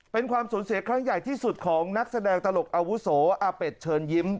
เป็นความสูญเสียครั้งใหญ่ที่สุดของนักแสดงตลกอาวุโสอาเป็ดเชิญยิ้ม